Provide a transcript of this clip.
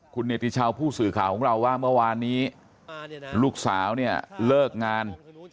คุณเนติชาวผู้สื่อข่าวของเราว่าเมื่อวานนี้ลูกสาวเนี่ยเลิกงาน